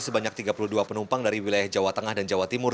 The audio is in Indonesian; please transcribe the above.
sebanyak tiga puluh dua penumpang dari wilayah jawa tengah dan jawa timur